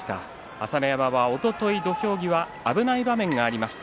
朝乃山は、おととい土俵際危ない場面がありました。